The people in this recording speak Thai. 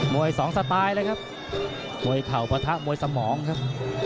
วยสองสไตล์เลยครับมวยเข่าปะทะมวยสมองครับ